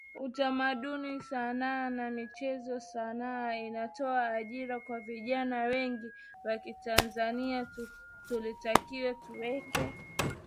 Utamaduni Sanaa na Michezo Sanaa inatoa ajira kwa vijanaa wengi wa kitanzania tulitakiwa tuweke